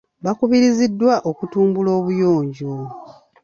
Baakubirizddwa okutumbula obuyonjo.